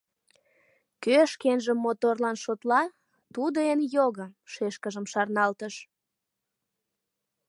Кӧ шкенжым моторлан шотла, тудо эн його, — шешкыжым шарналтыш.